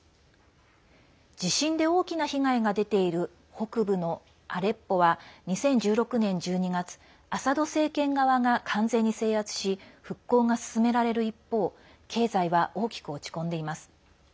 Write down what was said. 地震で大きな被害が出ている北部のアレッポは２０１６年１２月アサド政権側が完全に制圧し復興が進められる一方経済は大きく落ち込んでいます。